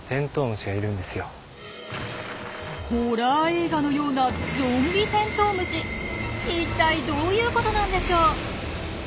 ホラー映画のような一体どういうことなんでしょう？